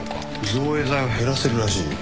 造影剤を減らせるらしい。